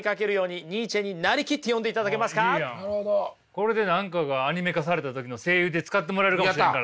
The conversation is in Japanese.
これで何かがアニメ化された時の声優で使ってもらえるかもしれんからな。